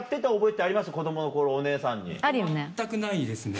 全くないですね。